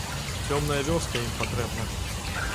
Цёмная вёска ім патрэбна.